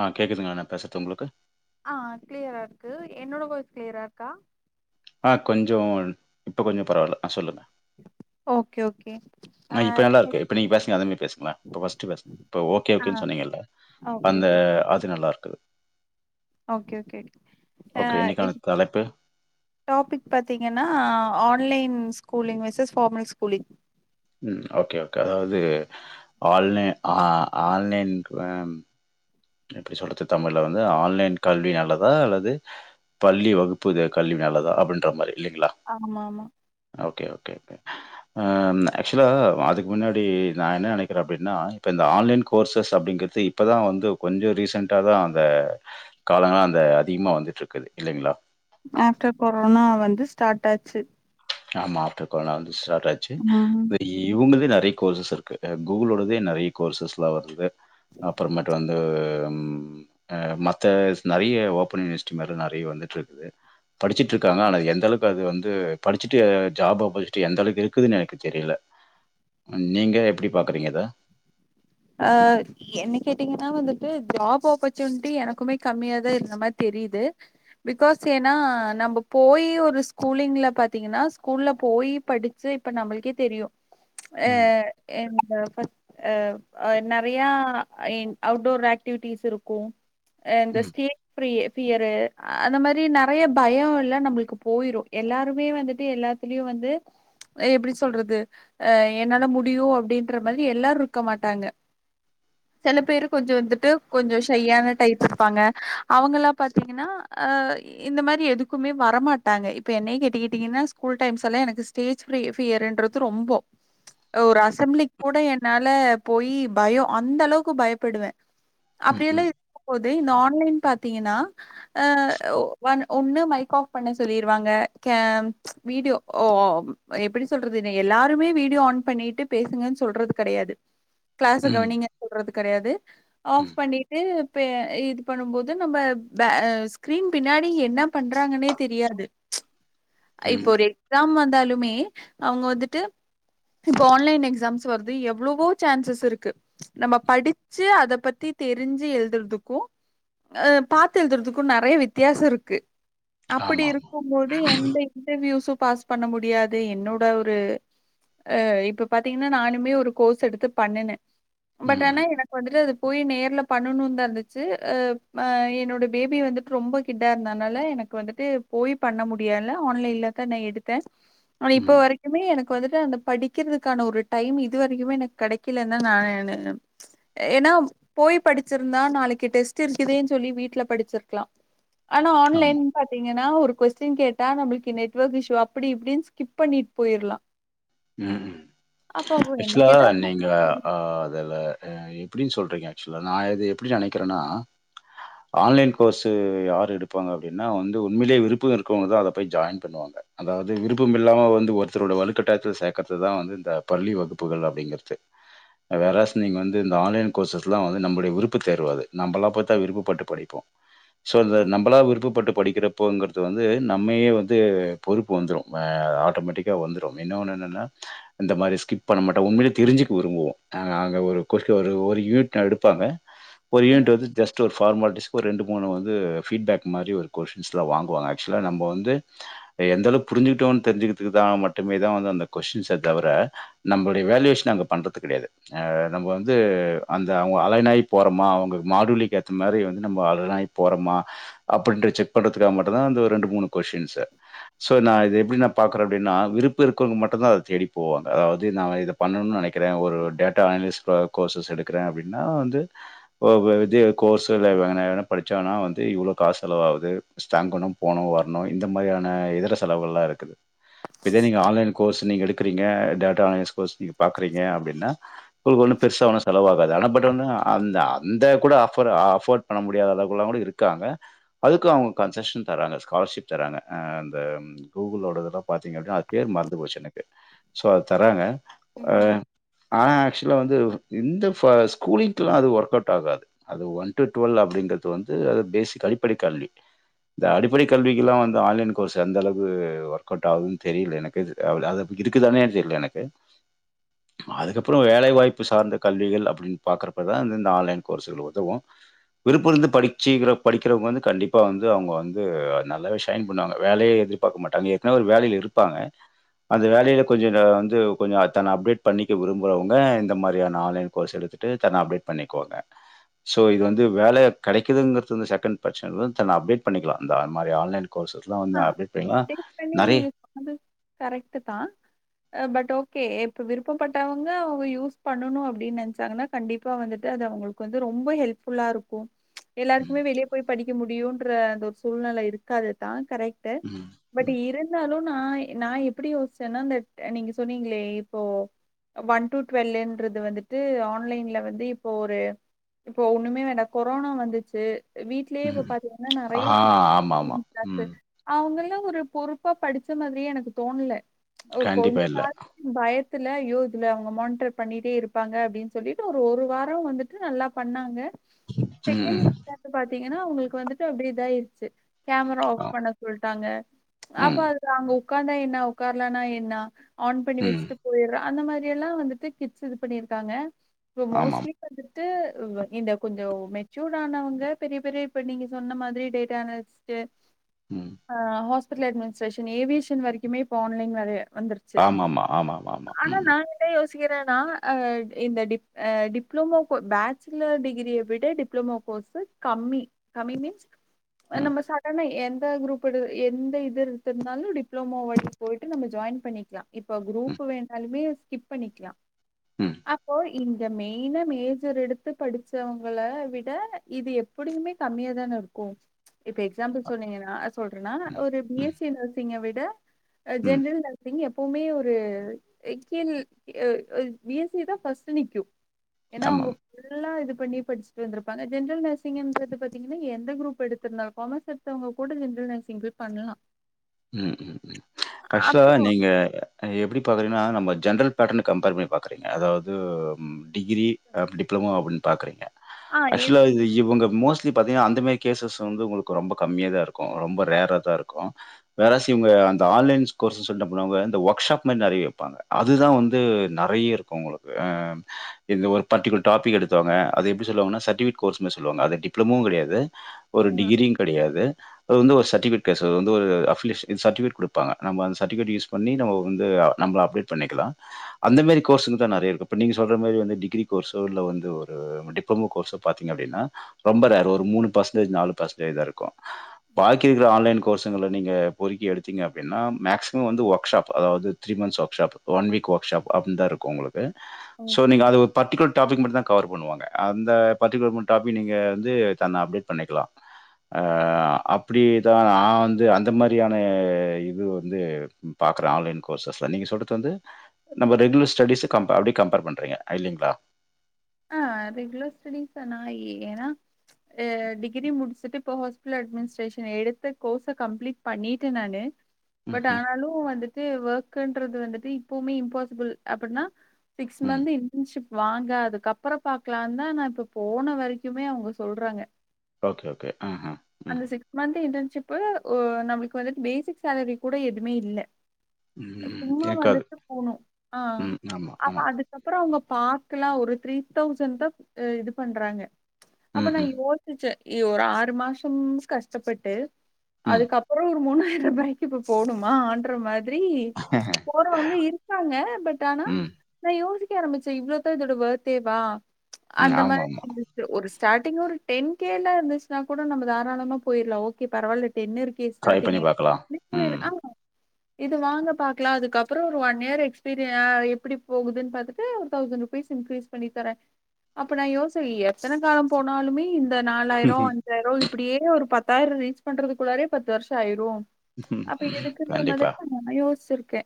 ஆஹ் கேக்குதுங்களா நா பேசுர்து உங்களுக்கு ஆஹ் கிளியரா இருக்கு என்னோட வாய்ஸ் கிளியரா இருக்கா கொஞ்ச இப்போ கொஞ்ச பரவாயில்ல ஆ சொல்லுங்க ஓகே ஓகே ஆ ஆஹ இப்ப நல்லா இருக்கு இப்போ நீங்க பேசுங்க அதமாரி பேசுங்கள இப்ப பர்ஸ்டு பேசுங்க இப்ப ஓகே ஆ ஓகேன்னு சொன்னீங்கல்ல ஓகே அந்த ஓகே அது நல்லா இருக்கு ட்டு ஓகே ஓகே இன்னைக்கான தலைப்பு டாபிக் பாத்தீங்கன்னா online schooling versus formal schooling ம் ஓகே ஓகே அதாவது ஆன்லை ஆன்லைன் இப்படி சொல்றது தமிழ்ல வந்து ஆன்லைன் கல்வி நல்லதா அல்லது பள்ளி வகுப்பு கல்வி நல்லதா அப்படின்ற மாரி இல்லைங்களா ஆமா ஆமா ஓகே ஓகே ஓகே ஓகே ஆக்சுவலாக அதுக்கு முன்னாடி நான் என்ன நினைக்கிறேன் அப்படின்னா இப்போ இந்த ஆன்லைன் கோர்சஸ் அப்படிங்கிறது இப்போ தான் வந்து கொஞ்சம் ரீசென்ட தான் அந்த காலங்கள் அந்த அதிகமா வந்துட்டு இருக்குது இல்லைங்களா ஆஃப்டர் கொரோனா வந்து ஸ்டார்ட் ஆச்சு ஆமா ஆஃப்டர் கொரோன வந்து ஸ்டார்ட் ச்சு ம் இவங்களே நிறைய கோர்ஸஸ் இருக்கு கூகுளோடத நிறைய கோர்சஸ்லாம் வருது அப்புறமட்டு வந்து மத்த நிறைய ஓபன் யூனிவர்சிட்டி மாரி நிறைய வந்துட்டு இருக்குது படிச்சட்டு இருக்காங்க ஆனால் எந்த அளவுக்கு அது வந்து படிச்சுட்டு ஜாப் அப்பர்ச்சட்டு எந்த அளவுக்கு இருக்குதுன்னு எனக்கு தெரியல நீங்க எப்படி பாக்குறீங்கா அ த அஹ் என்ன கேட்டீங்கன்னா வந்துட்டு ஜாப் ஆஃப்பர்சூனிட்டி எனக்குமே கம்மியா தான் இருந்த மாதிரி தெரியுது பிகாஸ் ஏன்னா நம்ம போய் ஒரு ஸ்கூலிங்ல பாத்தீங்கன்னா ஸ்கூல்ல போய் படிச்சு இப்ப நம்மளுக்கே தெரியு ம். ஏஹ் என்ன அஹ் ஹ அஹ் நிறைய அவுட்டோர் ஆக்டிவிட்டிஸ் இருக்கு எந்த ம். கிரீன் பிரியே ரு அந்த மாதிரி நிறைய பயம் எல்லாம் நம்மளுக்கு போயிரும் எல்லாருமே வந்துட்டு எல்லாத்துலயும் வந்து எப்படி சொல்றது அஹ் என்னால முடியும் அப்படின்ற மாதிரி எல்லாரும் இருக்க மாட்ட டாங்க சில பேரு கொஞ்ச வந்துட்டு கொஞ்ச ஷய்யான டைப் இருப்பாங்க அவங்கலா பாத்தீங்கன்னா அஹ் இந்த மாதிரி எதுக்குமே வரமாட்டாங்க இப்ப என்ன கேட்டுக்கிட்டீங்கன்னா டைம்ஸ் எல்லா எனக்கு ஸ்டேஜ் பிரி ஃபியர்ன்றது ரொம்ப ஒரு அசம்பளிக் கூட என்னால போய் பயம் அந்த அளவுக்கு பயப்படுவேன் ம். அப்படியெல்லாம் ம். இது போது இந்த ஆன்லைன் பாத்தீங்கன்னா அஹ ஒண்ணு மைக் ஆஃப் பண்ண சொல்லிிருவாங்க வீடியோஓ எப்படி சொல்றது எல்லாருமே வீடியோ ஆன் பண்ணிட்டு பேசுங்கன் சொல்றது கிடையாது கிளாஸ் ம். கவனிங்க சொல்றதுக்கு கிடையாது ஆப் ம். பண்ணிட்டு இது பண்ணும்போது நம்ம் ஸ்கிரீன் பின்னாடி என்ன பண்றாங்கன்னே தெரியாது இப்போ ம். ஒரு எக்ஸாம் வந்து ந்தாலுமே அவங்க வந்துட்டு இப்ப ஆன்லைன் எக்ஸாம்ஸ் வருது எவ்ளவோ சான்சஸ் இருக்கு நம்ம படிச்சு அத பத்தி தெரிஞ்சு எழுதுறதுக்கு அஹ் பாத்து எழுதுறதுக்கு நிறைய வித்தியாசம் இருக்கு அப்படி ஆமாமா. இருக்கும் போது எந்த இன்டர்வியூஸும் பாஸ் பண்ண முடியாது என்னோட ஒரு இப்ப பா்த்தீங்கன்னா நானுமே ஒரு கோர்ஸ் எடுத்து பண்ணுன பட் ம். ஆனா ம். எனக்கு வந்துட்டு அது போய் நேர்ல் பண்ணணுந்தா இருந்துச்சு என்னோட பேபி வந்துட்டு ரொம்ப கிட்டா இருந்தனால எனக்கு வந்துட்டு போய் பண்ண முடியால ஆன்லைனிலகா நா எடுத்த ஆனா இப்ப ம். வரைக்குமே எனக் கு வந்துட்டு அந்த படிக்கிறதுக்கான ஒரு டைம் இதுவரைக்குமே எனக்கு கெடை க்கில நா என்ன ப்ச் ஏனா போய் படிச்சிருந்தா நாளைக்கு டெஸ்ட் இருக்குதேனு சொல்லி வீட்ல படிச்சிருக்கலா ஆனா ஆன்லைன் ஆமா. பாத்தீங்கன்னா ஒரு கொஸ்டின் கேட்டா நம்மளுக்கு நெட்வர்க் இஷூ அப்படி இப்படினு ஸ்கிப் பண்ணிட்டு போயிர்லா உம் ஆக்சுவலா கேட்டா நீங்க ஆ அதுல எப்படி சொல்றீங்க ஆக்சுவலா நா இது எப்படி நெனைக்கிறேனா ஆன்லைன் கோர்ஸு யார் எடுப்பாங்க அப்படினா வந்து உண்மையிலயே விருப்பம் இருக்கிறவங்கதா அதை போய் ஜாயின் பண்ணுவாங்க அதாவது விருப்பம் இல்லா வந்து ஒருத்தரோட வலுக்கட்டாய த்துல சேக்குறதுதா வந்து இந்த பள்ளி வகுப்புகள் அப்படிங்கிறது வேற்ஆஸ் நீங்க வந்து இந்த ஆன்லைன் கோர்சஸ் எல்லா வந்து நம்மடைய விருப்பு தேருவது நம்மல்லா பாத்தா விருப்பப்பட்டு படிப்போ சோ இந்த நம்மளா விருப்பப்பட்டு படிக்கிற ப்போ வந்து நம்மையே வந்து பொறுப்பு வந்துரு ஆட்டோமேட்டிக்காக வந்துருவாங்க இன்னொன்னு என்னென்னா இந்த மாரி ஸ்கிப் பண்ண மாட்டோ உண்மையிலே தெரிஞ்சுக்க விரும்புவோ நா நாங்க அங்கே ஒரு கொஸு ஒரு யூனிட் நா எடுப்பாங்க ஒரு யூனிட் வந்து ஜஸ்ட் ஒரு ஃபார்மாலிட்டிஸ் ஒரு ரெண்டு மூணு வந்து ஃபீட்பேக் மாரி ஒரு கொஷின்ஸ்லா வாங்குவாங்க ஆக்சுவலா நம்மோ வந்து எந்தளவு புரிஞ்சுட்டோனு தெரிஞ்சுதுக்குதா மட்டு டுமேதா வந்து அந்த கொஸ்ன்ஸ்ஸே தவற நம்மளுடைய வேல்யூஷன அவுங்க பண்றது கிடையாது அ நம்ம வந்து அந்த அவுங்க அலைன் ஆயி போறமா அவுங்க மாடுலிக்கு ஏத்த மாரி வந்து நம்ம அலைன் ஆயி போறமா அப்படின்று செக் பண்றதுக்காக மட்டுந்தா அந்த ஒரு ரெண்டு மூணு கொஸ்டின்ஸ் சோ நா இத எப்படினா பாக்குற அப்படினா விருப் விருப்பருக்கிறவங்க மட்டுந்தா அதை தேடி போவாங்க அதாவது நா இத பண்ணனு நெனைக்கிற ஒரு டேட்டா அனாலிசிஸ் கோர்ஸஸ் எடுக்கிற அப்டினா வந்து ஓ இது கோர்சல்லா வேணா எதனா படிச்சாங்கன்னா வந்து இவ்வளவு காசு செலவாவது ஸ்ட்டாங்கனு போகனு வரணு இந்த மாரியான இதர செலவுகள் எல்லா இருக்குது இதே நீங்க ஆன்லைன் கோர்ஸ் நீங்க எடுக்குறிங்க டேடா அனலைசிஸ் கோர்ஸ் நீங்க பாக்கறிங்க அப்டினா உங்ளுக்கு ஒன்னு பெருசா செலவாகாது ஆனா பட் வந்து ஆ அந்த அந்த கூட ஆப்பர் அஃபோர்டு பண்ண முடியாத அளவுக்கெல்லா இருக்காங்க அதுக்கு அவுங்க கன்ஸ்க்ஷன் தராங்க ஸ்காலர்ஷிப் தராங்க அ அந்த கூகுலோடதல்லா பாத்திங்கனா அ பேர் மறந்துபோச்சு எனக்கு சோ அது தராங்க அ ஆ ஆக்சுவலா வந்து இந்த ஸ்கூலுக்கெல்லா அது ஒர்க் அவுட் ஆகாது அது ஒன் டு டுவல் அப்டிங்கிறது வந்து அது பேசிக் அடிப்படை கல்வி இந்த அடிப்படை கல்விக்கெல்லா வந்து ஆன்லைன் கோர்ஸ் எந்தளவுக்கு ஒர்க் அவுட் ஆகுதுனு தெ ரில எனக்கு அ அது இருக்குதானே தெரில எனக்கு அதுக்கப்றோ வேலை வாய்ப்பு சார்ந்த கல்விகள் அப்டின்னு பாக்குறப்பதா ஆன்லைன் கோர்ஸ்கள் உதவு விருப்பிருந்து படிச்சி படிக்கிறவங்க வந்து கண்டிப்பா வந்து அவுங்க வந்து நல்லாவே ஷைன் பண்ணுவாங்க வேலையை எதிர்பார்க்க மாட்டாங்க ஏற்கனவே ஒரு வேலைல இரு ப்பாங்க அந்த வேலைல கொஞ்சோ அ வந்து கொஞ்சோ தன்ன அப்கிரேட் பண்ணிக்க விரும்புறவங்க அ இந்த மாரியான ஆன்லைன் கோர்ஸ் எடுத்துட்டு தன்ன அப்டேட் பண்ணிக்குவாங்க சோ இது வந்து வேலைய கிடைக்குதுங்கிறது சட்டுனு பிரச்சனல்ல தன்ன அப்டேட் பண்ணிக்கலா அந்த மாரி ஆன்லைன் கோர்சஸ் லா வந்து ஆ அப்டேட் பண்ணிக்கலா நெறய கரெக்ட்டுதா பட் ஓகே இப்ப விருப்பப்பட்டவங்க அவங்க யூஸ் பண்ணனு அப்டின்னு நெனைச்சாங்கனா கண்டிப்பா வந்துட்டு அது அவுங்களுக்கு வந்து ரொம்ப ஹெல்ஃபுல்லா இருக்கு ப்ச் எல்லாருக்குமே ம், வெளிய போய் படி க்க முடியுன்ற அந்த ஒரு சூழ்நில இருக்காதுதான் கரெக்ட் ட்டு ம், பட் ம், இருந்தாலு நா நா எப்டி யோஸ்ச்சேனா அ நீங்க சொன்னீங்ளே இப்போ ஒன் டு டுவெல்ன்றது வந்துட்டு ஆன்லைன்ல வந்து இப்போ ஒரு இப்போ ஒண்ணுமே வேண்டா கொரோனா வந்துச்சு வீட்லயே இப்ப உம் பாத்தீங்கன்னா நெறைய ஆஹ் ஆமாமா உம் அவுங்க எல்லா ஒரு பொறுப்பா படிச்ச மாரியே எனக்கு தோன்ல ப்ச் ஒரு கண்டிப்பா இல்ல. [unintelligible] ட்ல யோ இதுல அவுங்க மான்டர் பண்ணிட்டே இருப்பாங்க அப்டினு சொல்ட்டு ஒரு ஒரு வாரோ வந்துட்டு நல்லா பண்ணாங்க ம், செகண்ட் ம். [unintelligible] பாத்திங்க ஏனா அவுங்களுக்கு வந்துட்டு அப்டி இதாய்டுச்சு கேமரா ஆப் ஆ. பண்ண சொல்ட்டாங்க ம், அப்ப அது அங்க உ உக்காந்தா என்னா உக்காரலனா என்னா ஆன் பண்ணி ம். வச்சிட்டு போய்ற அந்த மாரி எல்லா வந்துட்டு கிட்ஸ் இது பண்ணிருக்காங்க இப்ப ஆமாம். மோஸ்லி ட்டு இந்த கொஞ்சோ மெச்சூர் ஆனவங்க பெரிய பெரிய இப்ப நீங்க சொன்ன மாதிரி டேட்டா அனாலிஸ்ட் ம். ஆ ஹாஸ் பிட்டல அட்மினிஸ்ட்ரேஷன் ஏவியேஷன் வரைக்குமே இப்ப ஆன்லைன் வரய ஆமா ஆமா ஆமா ஆமா ஆமா ம் சிரனா அ இந்த டிப் இந்த டிப்ளோமோ கோ பேச்சலர் டிகிரிய விட டிப்ளமோ கோர்ஸ்சு கம்மி கம்மி மீன்ஸ் ம் அ நம்ம சாதாரண என் ந்த குரூப் எடு எந்த இது இருந்தாலு டிப்ளோமோ வாட்டிக்கு போயிட்டு நம்ம ஜாயின் பண்ணிக்லா இப்ப ம் குரூப் வேணாலுமே ஸ்கிப் பண்ணிக்லா ம் அப்போ இந்த மெயினா மேஜர் எடுத்து படிச்சவங்கள விட இது எப்படியுமே கம்மியா தான இருக்கு இப்ப எக்ஸாம்பிள் சொன்னீங்கனா ஆ சொல்றேன்னா ம் ஒரு பி ம் எஸ் சி நர்சிங்க விட் ட அ ம் ஜென்ரல் நர்சிங்க் எப் எப்பவுமே ஒரு கீழ் பி எஸ் சி தா ஃபஸ்ட் நிக்கு ஏன்னா அவுங்க ஆமாம். ஃபுல்லா இது பண்ணி படிச்சுட்டு வந்திருப்பங்க ஜென்ரல் நர்சிங்ன்றது பாத்திங்கனா எந்த குரூப் எடுத்திருந்தா காமர்ஸ் எடுத்தவங்க கூ கூட ஜென்ரல் நர்சிங் போய் பண்ணலா ம் ம் ம் ஆக்சுவலா நீங்க எப்படி பாக்குறீங்கன்னா நம்ம ஜென்ரல் பேட்டர்ன் கம்பேர் பண்ணி பாக்கிறீங்க அதாவது டிகிரி அ டிப்ளமோ அப்படின்னு பாக்குறீங்க ஆ எ ஆக்சுவலா இது இவங்க மோஸ்ட்லி பாத்தீங்கன்னா அந்த மாதிரி கேசஸ் வந்து உங்களுக்கு ரொம்ப கம்மியா தா இருக்கு ரொம்ப ரேரா தா இருக்கு வேறாச்சு இவுங்க அந்த ஆன்லைன்ஸ் கோர்சஸ் சொல்லிட்டு பண்னுவாங்க இந்த ஒர்க்ஷாப் மாரி நெறைய வெப்பாங்க அதுதா வந்து நெறைய இருக்கு உங்களுக்கு ஆ இந்த ஒரு பர்டிகுலர் டாபிக் எடுத்தவங்க அது எப்டி சொல்லு வாங்கனா சட்டிவிட் கோர்ஸ் மாரி சொல்லுவாங்க அது டிப்ளமோவு கெடையாது ஒரு ஆ டிகிரியு கெடையாது அது வந்து ஒரு சட் சட்டிபிகேட் பேசரது வந்து ஒரு ஆப் சட்டிபிகேட்டு குடுப்பாங்க நம்ப அந்த சட்டிபிகேட் யூஸ் பண்ணி நம்ம வந்து நம்மள அப்டேட் பண்ணிக்கலா அந்த மாரி கோர்ஸு தா நெறைய இருக்கு இப்ப நீங்க சொல்ற மாதிரி வந்து டிகிரி கோர்ஸோ இல்ல வந்து ஒரு டிப்ளமோ கோர்ஸோ பாத்தீங்க அப்டினா ரொம்ப ரேரோ ஒரு மூணு பர்சன்டேஜ் நாலு பர்சன்டேஜ் தா இருக்கு பாக்கி இருக்கிற ஆன்லைன் கோர்ஸ் [unintelligible] நீங்க பொரிக்கி எடுத்தீங்க அப்டின்னா மேக்ஸிமம் வந்து ஒர்க் ஷாப் அதாவ்து three months workshop one week workshop அப்டின் தா இருக்கு உங்களு கு சோ ஓகே. நீங்க அது ஒரு பர்டிகுலர் டாபிக் மட்டுந்தா கவர் பண்ணுவாங்க அந்த பர்டிகுலர் மு டாப்பிக் நீங்க வந்து தன்ன அப்டேட் பண்ணிக்லா ஆ அப்டிதா நா வந்து அந்த மா ரியான இது வந்து பாக்குற ஆன்லைன் கோர்ஸ்ஸஸ்ல நீங்க சொல்றது வந்து நம்ம ரெகுலர் ஸ்டடீஸு கம்பே அப்டியே கம்பேர் பண்றீங்க இல்லைங்களா அய் ஏன்னா ஆ டிகிரி முடிச்சிட்டு இப்ப ஹாஸ்பிடல் அட்மினிஸ்ட்ரேஷன் எடுத்த கோர்ஸ கம்ப்ளீட் பண்ணிட்ட நானு பட் ம்ஹ்ம். ஆனாலு வந்துட் டு வோக்குண்றது வந்துட்டு இப்பவுமே இம்பாசிபிள் அப்பின்னா சிக்ஸ் ம். மந்த் இன்டன்ஷிப் வாங்க அதுக்கப் பறோ பாக்லான்தா நா இப்ப போன வரைக்குமே அவுங்க சொல்றாங்க ஓகே, ஓகே. ஆஹ. ம். அந்த சிக்ஸ் மந்த்து இன்டன்ஷிப்பு ஓ நம்ளுக் கு வந்துட் பேசிக் சேலரி கூட எதுமே இல்ல ம். ம். சும்மா இருக்காது. வந்துட்டு போணு ஆ ம். ஆமா, அப்ப ஆமா. அதுக்கப்பறோ அவங்க பாக்கலா ஒரு த்ரி தௌசண்ட் தா அ இது பண்றாங்க அப்ப நா ம்ஹ்ம். யோசிச்ச எ ஒரு ஆறு மாசம் கஸ்டப்பட்டு ம். அதுக்கப்பறோ ஒரு மூணு [unintelligible] இப்ப போணுமா ஆன்ற மா திரி போறவங்க இருக்காங்க பட் ஆனா ம். நா யோசி கெ ஆரம்பிச்ச இவ்ளோதா இதோட வோத் தேவா ம். அந்த மாரி ஆமாமா. [inaudible] ஒரு ஸ்டாட்டிங்ல ஒரு டென் கேலா இருந்துச்னாக் கூட நம்ம தாராளமா போயிர்லா ஓகே பரவாயில்ல டென்னு இருக்கே ட்ரை பண்ணி ஸ்டாட்டிங்கே பார்க்கலாம். அப்டியே போயிரு ம். ஆ இது வாங்க பாக்லா அதுக்கப்பறோ ஒரு ஒன் இயர் எக்ஸ்பீரியா ஆ எப்டி போகுதுன் பாத்துட்டு ஒரு தௌசண்ட் ருபீஸ் இன்க்ரீஸ் பண்ணி தர அப்ப நா யோஷ்சே எத்தன காலம் போனாலுமே இந் த நாலாயிரொ அஞ்சாயிரொ இப்டியே ஒரு பத் தாயிரொ ரீச் பண்றதுக்குள்ளாரே பத்து வர்ஷோ ஆயிரு அப்ப இது எதுக்குன்ற மாதிரி தா நா யோசிச்சிருக் கே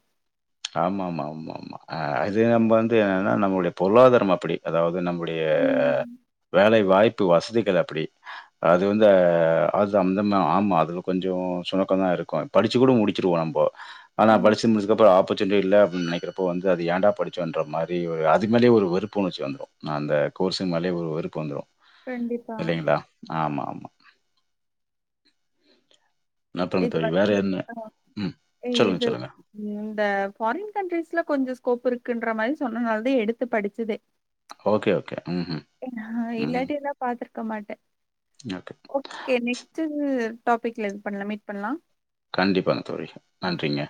ஆமா ஆமா ஆமா ஆமா ஆ இது நம்ம வந்து என்னன்னா நம்மோடைய பொருளாதாரம் அப்டி அதாவ்து நம்ம உடைய வேலை வாய் ப்பு வசதிகள் அப்டி அது வந்து ஆ அது அந்த ம ஆமா அது கொஞ்சொ சுணக்கந்தா இருக்கு படிச்சிக் கூட முடிச்சிருவோ நம்போ ஆனா ஆமா படிச்சி முடிச்சதுக்கப்றோ அப் ஆப்பர்சுனிட்டி இல்ல அப்டின்னு நினைக்கிறப்போ வந்து அது ஏண்டா படிச்சோன்ற மாரி ஒரு அதுமேலையே ஒரு வெறுப்புணர்ச்சி வந்துடும் ந அந்த கோஸுமேலே ஒரு வெறுப்பு வந்துடும் கண்டிப்பா இல்லைங்களா ஆமா ஆமா அப்புறம் இது தோழி வந்து வேற என்ன? ப அ ம். ஏ சொல்லுங்க, இது சொல்லுங்க. இந்த ஃபாரின் கண்ட்ரிஸ்ல கொஞ்சம் ஸ்கோப் இருக்குன்ற மாரி சொன்னதுனாலதா எடுத்து படிச்சுதே ஓகே ஓகே ம்ஹ்ம். நா ம். இல்லாட்டி இல்ல பாத்தி க்க மாட்டே ஓகே நெக்ஸ்ட்டு டாபிக்ல இது பண்ணலா மீட் பண்ணலாம் கண்டிப்பாங்க தோழி நன்றிங்க